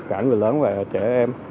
cả người lớn và trẻ em